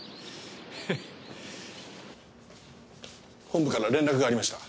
本部から連絡がありました。